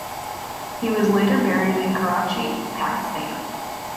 He was later buried in Karachi, Pakistan.